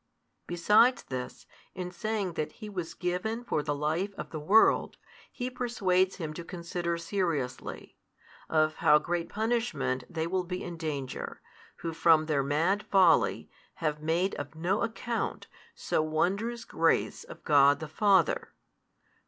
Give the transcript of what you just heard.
Besides this, in saying that He was given for the life of the world, He persuades him to consider seriously, of how great punishment they will be in danger, who from their mad folly, have made of no account so wondrous grace of God the Father.